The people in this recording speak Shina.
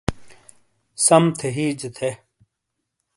سم تھے ہیجے تھے۔